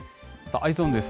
Ｅｙｅｓｏｎです。